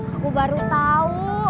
aku baru tau